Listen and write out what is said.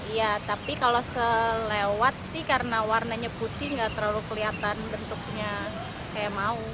iya tapi kalau selewat sih karena warnanya putih nggak terlalu kelihatan bentuknya kayak mau